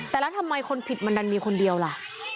แต่แล้วทำไมคนผิดมันดันมีคนเดียวล่ะ